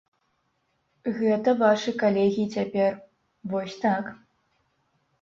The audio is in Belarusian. Гэта вашы калегі цяпер, вось так.